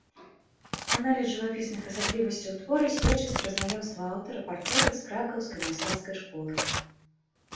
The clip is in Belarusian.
Аналіз жывапісных асаблівасцяў твора сведчыць пра знаёмства аўтара партрэта з кракаўскай мастацкай школай.